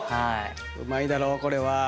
うまいだろこれは。